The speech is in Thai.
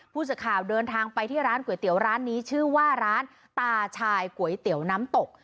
ผู้สื่อข่าวเดินทางไปที่ร้านก๋วยเตี๋ยวร้านนี้ชื่อว่าร้านตาชายก๋วยเตี๋ยวน้ำตก